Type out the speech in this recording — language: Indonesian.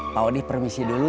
pak odi permisi dulu